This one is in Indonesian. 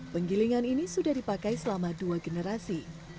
penggilingan ini sudah dipakai selama dua generasi